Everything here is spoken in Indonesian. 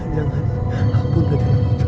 jangan ampun bapak